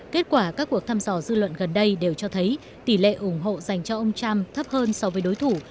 kết quả các cuộc thăm dò dư luận gần đây đều cho thấy tỷ lệ ủng hộ dành cho ông trump thấp hơn so với đối thủ